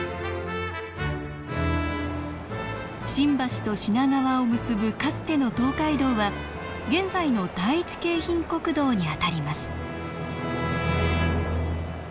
新橋と品川を結ぶかつての東海道は現在の第一京浜国道にあたります